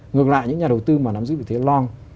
ngược lại những nhà đầu tư mà nắm giữ vị thế long